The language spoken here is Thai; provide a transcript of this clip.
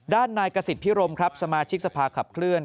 ด้านนายกษิตพิรมครับสมาชิกสภาขับเคลื่อน